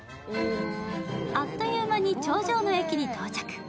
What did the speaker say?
あっという間に頂上の駅に到着。